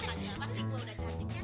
pasti gua udah cantik ya